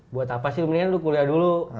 buat apa sih umlian lu kuliah dulu